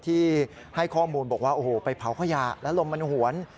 ที่ให้ข้อมูลบอกว่าโอ้โหไปเผาขยะแล้วลมมันหวน